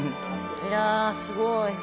いやー、すごい。